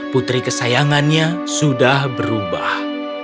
putri kesayangannya sudah berubah